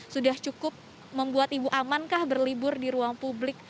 sudah cukup membuat ibu amankah berlibur di ruang publik